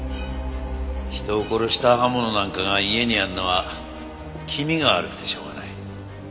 人を殺した刃物なんかが家にあるのは気味が悪くてしょうがない。